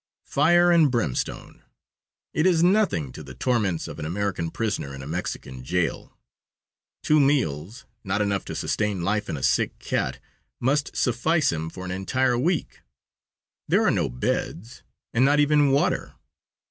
Fire and brimstone! It is nothing to the torments of an American prisoner in a Mexican jail. Two meals, not enough to sustain life in a sick cat, must suffice him for an entire week. There are no beds, and not even water.